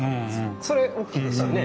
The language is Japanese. それ大きいですよね。